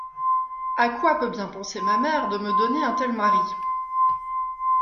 A quoi peut bien penser ma mère De me donner un tel mari !